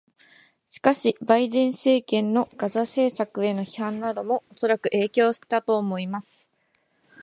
しかし、バイデン政権のガザ政策への批判などもおそらく影響したと思います。